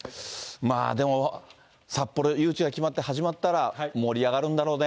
でも札幌誘致が決まって始まったら、盛り上がるんだろうね。